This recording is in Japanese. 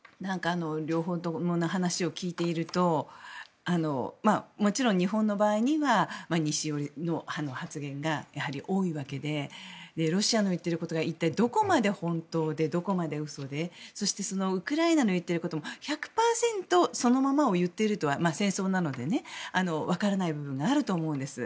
両方ともの話を聞いているともちろん日本の場合には西の発言が多いわけでロシアの言っていることが一体どこまで本当でどこまで嘘で、そしてウクライナの言っていることも１００％そのままを言っているとは戦争なので分からない部分はあると思うんです。